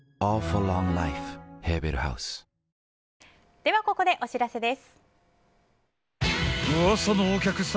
ではここでお知らせです。